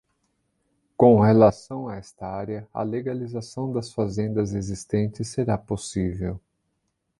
Com relação a esta área, a legalização das fazendas existentes será possível.